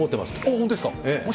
本当ですか。